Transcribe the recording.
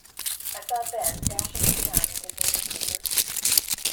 I saw Ben dashing through town in his Mini Cooper.